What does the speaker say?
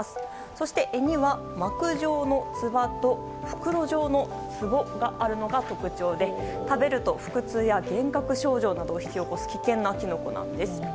そして柄には膜状のつばと袋状のつぼがあるのが特徴で食べると腹痛や幻覚症状などを引き起こす危険なキノコなんです。